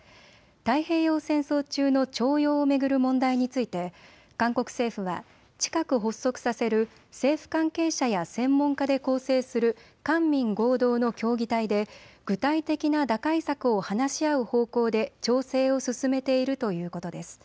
太平洋戦争中の徴用を巡る問題について韓国政府は近く発足させる政府関係者や専門家で構成する官民合同の協議体で具体的な打開策を話し合う方向で調整を進めているということです。